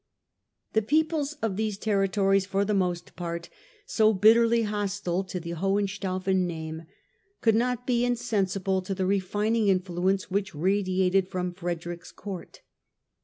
The peoples of these territories, for the most part so bitterly hostile to the Hohenstaufen name, could not be insensible to the refining influence which radiated from Frederick's Court.